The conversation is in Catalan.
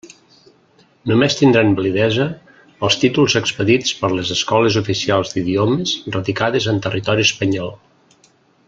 Només tindran validesa els títols expedits per les escoles oficials d'idiomes radicades en territori espanyol.